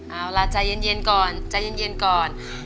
เอาล่ะใจเย็นก่อนใจเย็นก่อน